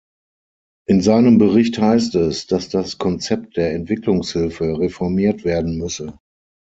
In seinem Bericht heißt es, dass das Konzept der Entwicklungshilfe reformiert werden müsse.